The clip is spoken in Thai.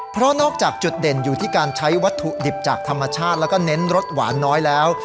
เพราะนอกจากจุดเด่นอยู่ที่การใช้วัตถุดิบจากธรรมชาติแล้วก็เน้นรสหวานน้อยแล้ว